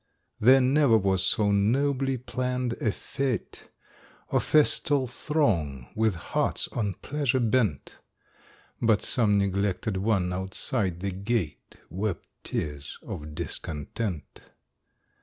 There never was so nobly planned a fête, Or festal throng with hearts on pleasure bent, But some neglected one outside the gate Wept tears of discontent.